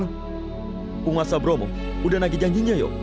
gunung bromo sudah menanggi janjinya